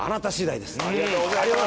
ありがとうございます。